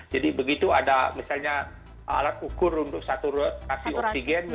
jadi begitu ada misalnya alat ukur untuk saturasi oksigen